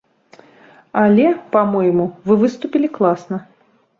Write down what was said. Але, па-мойму, мы выступілі класна.